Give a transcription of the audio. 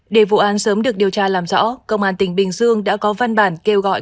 để vụ án sớm được điều tra làm rõ công an tỉnh bình dương đã có văn bản kêu gọi